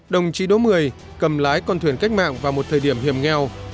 đồng chí đỗ mười cầm lái con thuyền cách mạng vào một thời điểm hiểm nghèo